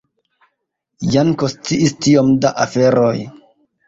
Janko sciis tiom da aferoj!